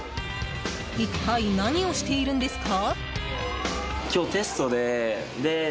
一体何をしているんですか？